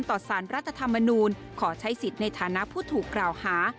ต่อสารรัฐธรรมนูลขอใช้สิทธิ์ในฐานะผู้ถูกกล่าวหา